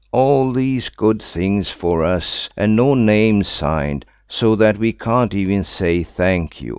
All these good things for us, and no name signed, so that we can't even say thank you.